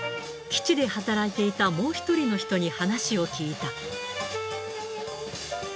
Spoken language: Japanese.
基地で働いていた、もう一人の人に話を聞いた。